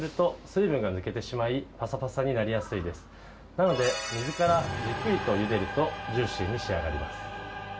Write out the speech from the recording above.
なので水からゆっくりとゆでるとジューシーに仕上がります。